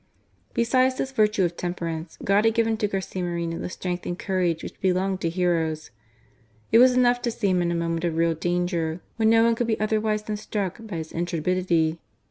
Besides this virtue of temperance, God had given to Garcia Moreno the strength and courage which belong to heroes. It was enough to see him in a moment of real danger, when no one could be other wise than struck by his intrepidity.